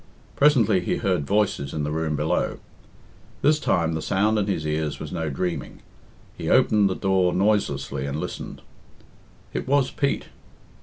Presently he heard voices in the room below. This time the sound in his ears was no dreaming. He opened the door noiselessly and listened. It was Pete.